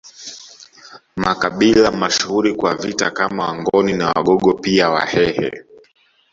Makabila mashuhuri kwa vita kama Wangoni na Wagogo pia Wahehe